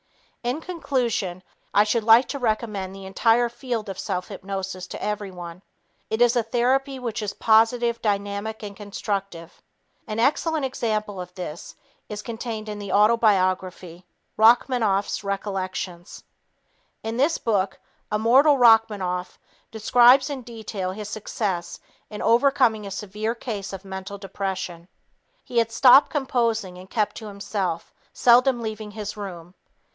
In conclusion, I should like to recommend the entire field of self hypnosis to everyone. It is a therapy which is positive, dynamic and constructive. An excellent example of this is contained in the autobiography, Rachmaninoff's Recollections. In this book, immortal Rachmaninoff describes in detail his success in overcoming a severe case of mental depression. He had stopped composing and kept to himself, seldom leaving his room.